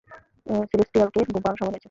সেলেস্টিয়ালকে ঘুম পাড়ানোর সময় হয়েছে।